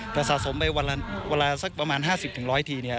แต่สะสมไปวันละวันละสักประมาณห้าสิบถึงร้อยทีเนี่ย